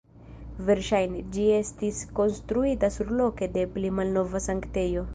Verŝajne, ĝi estis konstruita surloke de pli malnova sanktejo.